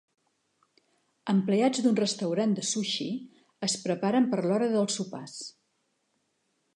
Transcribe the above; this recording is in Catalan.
Empleats d'un restaurant de sushi es preparen per l'hora dels sopars.